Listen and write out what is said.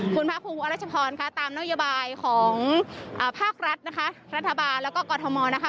คุณพระคุณอรัชพรค่ะตามนโยบายของอ่าภาครัฐนะคะรัฐบาลแล้วก็กอร์โทมอนนะคะ